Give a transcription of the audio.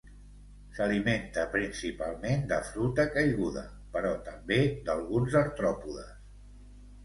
S'alimenta principalment de fruita caiguda, però també d'alguns artròpodes.